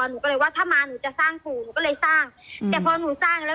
หนูก็เลยว่าถ้ามาหนูจะสร้างปู่หนูก็เลยสร้างแต่พอหนูสร้างแล้ว